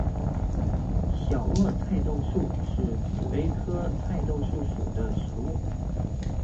小萼菜豆树是紫葳科菜豆树属的植物。